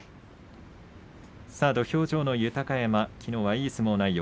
土俵上の豊山きのうはいい相撲内容。